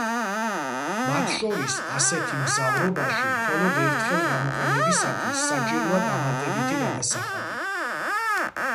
მათ შორის, ასეთი მგზავრობაში მხოლოდ ერთხელ გამოყენებისათვის საჭიროა დამატებითი გადასახადი.